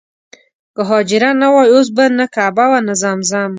که حاجره نه وای اوس به نه کعبه وه نه زمزم.